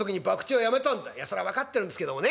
「いやそれは分かってるんですけどもね